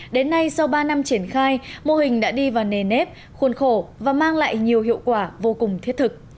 đến nay sau ba năm triển khai mô hình đã đi vào nề nếp khuôn khổ và mang lại nhiều hiệu quả vô cùng thiết thực